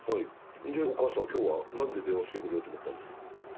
お母さん今日は何で電話してくれようと思ったんですか？